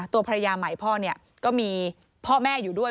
ตัวภรรยาใหม่พ่อเนี่ยก็มีพ่อแม่อยู่ด้วย